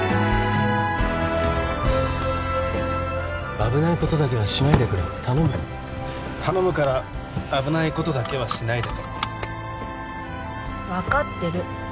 危ないことだけはしないでくれ頼む頼むから危ないことだけはしないでと分かってる